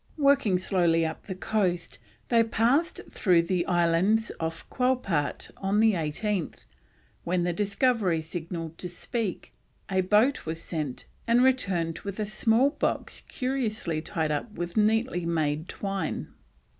Working slowly up the coast they passed through the islands off Quelpart on the 18th, when the Discovery signalled to speak; a boat was sent, and returned with a small box curiously tied up with neatly made twine.